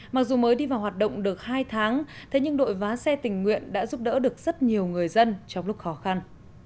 mặc dù mới đi vào hoạt động được hai tháng thế nhưng đội vá xe tình nguyện đã giúp đỡ được rất nhiều người dân trong lúc khó khăn